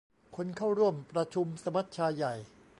คนเข้าร่วมประชุมสมัชชาใหญ่